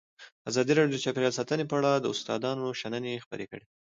ازادي راډیو د چاپیریال ساتنه په اړه د استادانو شننې خپرې کړي.